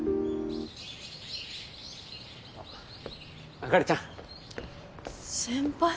あかりちゃん先輩